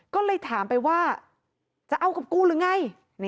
ก็เลยถามไปว่าจะเอากับกูหรือไง